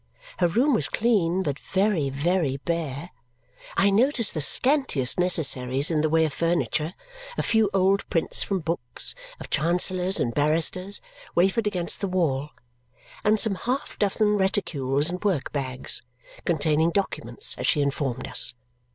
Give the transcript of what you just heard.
Her room was clean, but very, very bare. I noticed the scantiest necessaries in the way of furniture; a few old prints from books, of Chancellors and barristers, wafered against the wall; and some half dozen reticles and work bags, "containing documents," as she informed us.